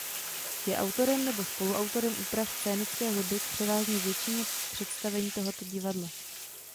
Je autorem nebo spoluautorem úprav scénické hudby k převážné většině představení tohoto divadla.